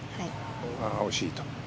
惜しいと。